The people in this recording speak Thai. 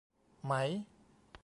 ไหม